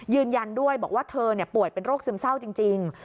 ยืนยันด้วยบอกว่าเธอป่วยเป็นโรคซึมเศร้าจริง